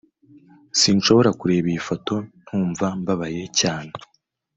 sinshobora kureba iyi foto ntumva mbabaye cyane